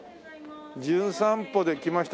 『じゅん散歩』で来ました